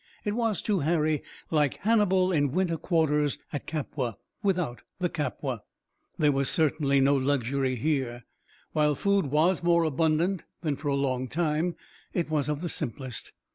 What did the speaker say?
It was to Harry like Hannibal in winter quarters at Capua, without the Capua. There was certainly no luxury here. While food was more abundant than for a long time, it was of the simplest.